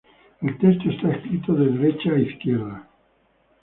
El texto está escrito de derecha a izquierda.